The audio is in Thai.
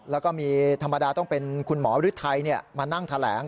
แล้วก็มีธรรมดาต้องเป็นคุณหมอฤทัยมานั่งแถลง